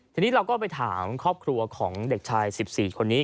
ทีนี้เราก็ไปถามครอบครัวของเด็กชาย๑๔คนนี้